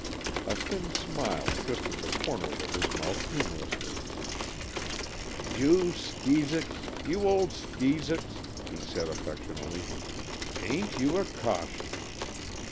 A thin smile twisted the corners of his mouth humorously. "You skeesicks! You old skeesicks!" he said affectionately. "Ain't you a caution!"